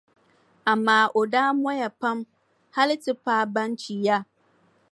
Amaa o daa mɔya pam hali ti paai Banchi ya.